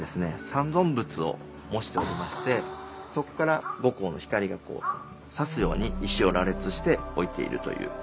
三尊仏を模しておりましてそこから後光の光が差すように石を羅列して置いているという。